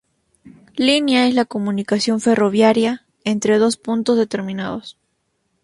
Línea: es la comunicación ferroviaria entre dos puntos determinados.